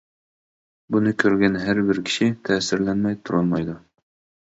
بۇنى كۆرگەن ھەر بىر كىشى تەسىرلەنمەي تۇرالمايدۇ.